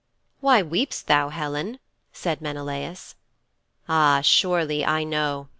'Why weepst thou, Helen?' said Menelaus. 'Ah, surely I know.